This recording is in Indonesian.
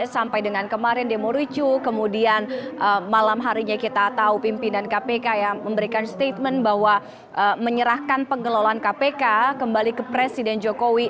sampai dengan kemarin demo ricu kemudian malam harinya kita tahu pimpinan kpk yang memberikan statement bahwa menyerahkan pengelolaan kpk kembali ke presiden jokowi